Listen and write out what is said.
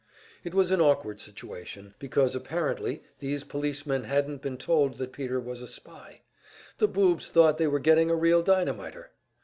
It was an awkward situation, because apparently these policemen hadn't been told that Peter was a spy; the boobs thought they were getting a real dynamiter!